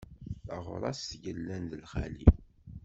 Taɣṛast yellan d lxali.